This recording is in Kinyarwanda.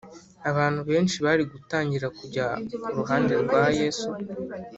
abantu benshi bari gutangira kujya ku ruhande rwa yesu;